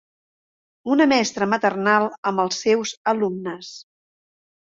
Una mestra maternal amb els seus alumnes.